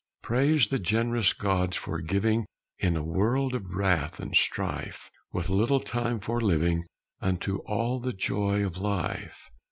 Praise the generous gods for giving In a world of wrath and strife, With a little time for living, Unto all the joy of life.